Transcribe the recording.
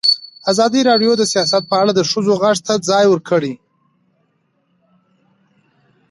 ازادي راډیو د سیاست په اړه د ښځو غږ ته ځای ورکړی.